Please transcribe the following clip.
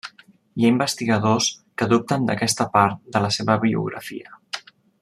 Hi ha investigadors que dubten d'aquesta part de la seva biografia.